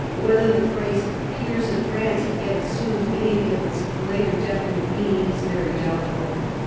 Whether the phrase " peers of France " had yet assumed anything of its later definite meaning is very doubtful.